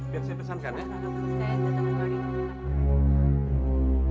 biar saya pesankan ya